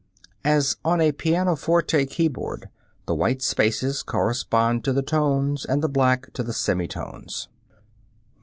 As on a pianoforte keyboard, the white spaces correspond to the tones, and the black to the semitones.